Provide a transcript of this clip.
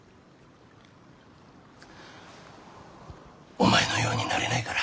お前のようになれないから。